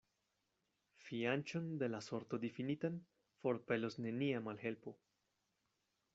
Fianĉon de la sorto difinitan forpelos nenia malhelpo.